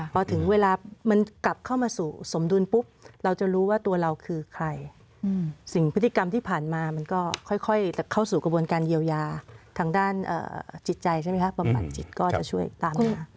พอถึงเวลามันกลับเข้ามาสู่สมดุลปุ๊บเราจะรู้ว่าตัวเราคือใครสิ่งพฤติกรรมที่ผ่านมามันก็ค่อยเข้าสู่กระบวนการเยียวยาทางด้านจิตใจใช่ไหมคะบำบัดจิตก็จะช่วยตามหา